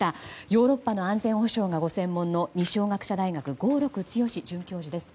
ヨーロッパの安全保障がご専門の二松学舎大学合六強准教授です。